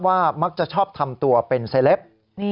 มักจะชอบทำตัวเป็นเซลป